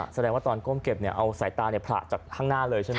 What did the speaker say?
แสดงว่าตอนก้มเก็บเอาสายตาผละจากข้างหน้าเลยใช่ไหม